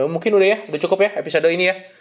mungkin udah ya udah cukup ya episode ini ya